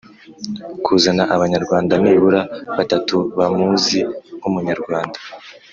kuzana abanyarwanda nibura batatu bamuzi nk’umunyarwanda